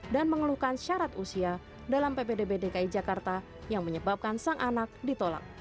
dan mengeluhkan syarat usia dalam ppdb dki jakarta yang menyebabkan sang anak ditolak